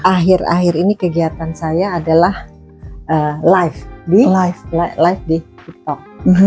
akhir akhir ini kegiatan saya adalah live di tiktok